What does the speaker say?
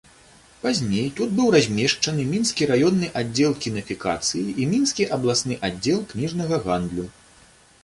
Пазней тут быў размешчаны мінскі раённы аддзел кінафікацыі і мінскі абласны аддзел кніжнага гандлю.